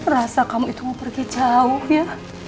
rasa kamu itu mau pergi jauh ya